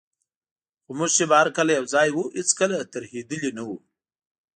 خو موږ چي به هر کله یوځای وو، هیڅکله ترهېدلي نه وو.